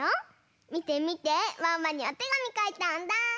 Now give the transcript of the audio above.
みてみてワンワンにおてがみかいたんだ！